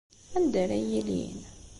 Anda ara ilin?